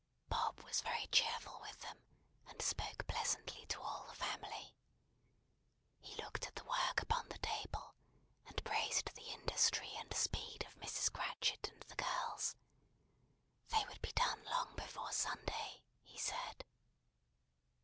Bob was very cheerful with them, and spoke pleasantly to all the family. He looked at the work upon the table, and praised the industry and speed of Mrs. Cratchit and the girls. They would be done long before Sunday, he said.